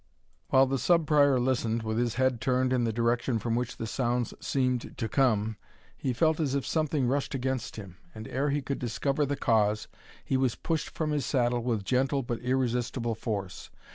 While the Sub Prior listened, with his head turned in the direction from which the sounds seemed to come, he felt as if something rushed against him; and ere he could discover the cause, he was pushed from his saddle with gentle but irresistible force.